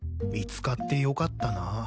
見つかってよかったな。